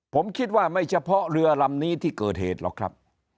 ผมคิดว่าไม่เฉพาะเรือลำนี้ที่เกิดเหตุหรอกครับ